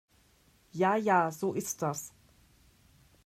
Ja ja, so ist das.